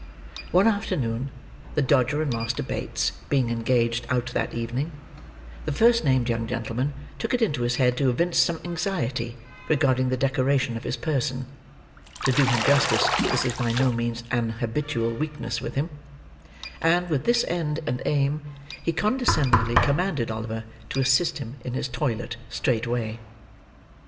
One afternoon, the Dodger and Master Bates being engaged out that evening, the first named young gentleman took it into his head to evince some anxiety regarding the decoration of his person (to do him justice, this was by no means an habitual weakness with him); and, with this end and aim, he condescendingly commanded Oliver to assist him in his toilet, straightway.